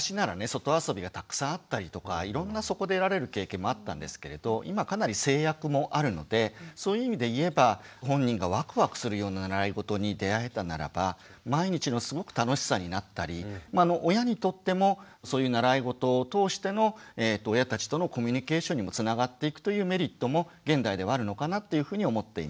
外遊びがたくさんあったりとかいろんなそこで得られる経験もあったんですけれど今かなり制約もあるのでそういう意味で言えば本人がワクワクするような習いごとに出会えたならば毎日のすごく楽しさになったり親にとってもそういう習いごとを通しての親たちとのコミュニケーションにもつながっていくというメリットも現代ではあるのかなというふうに思っています。